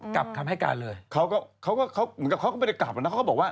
กลับคำให้การเลยเขาก็